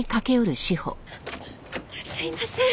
すいません。